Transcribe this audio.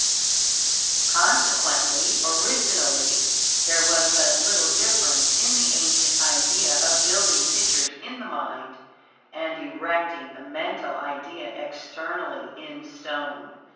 Consequently, originally, there was but little difference in the ancient idea of building pictures in the mind and erecting the mental idea externally in stone.